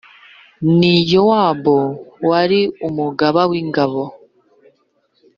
Ni Yowabu wari umugaba w’ingabo